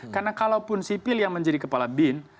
karena kalau pun sipil yang menjadi kepala bin